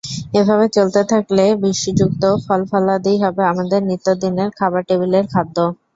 এভাবে চলতে থাকলে বিষযুক্ত ফলফলাদিই হবে আমাদের নিত্যদিনের খাবার টেবিলের খাদ্য।